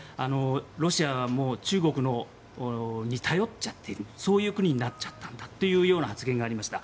ロシアも中国に頼っちゃっているそういう国になっちゃったという発言がありました。